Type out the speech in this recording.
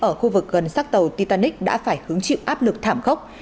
ở khu vực gần sát tàu titanic đã phải hứng chịu áp lực thảm khốc